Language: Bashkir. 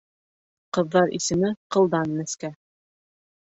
Ҡыҙҙар исеме ҡылдан нескә.